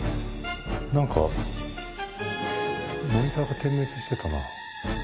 何かモニターが点滅してたな。